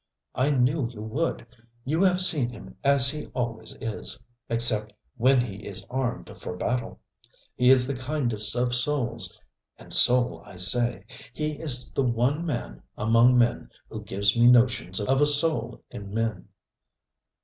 I knew you would. You have seen him as he always is except when he is armed for battle. He is the kindest of souls. And soul I say. He is the one man among men who gives me notions of a soul in men.'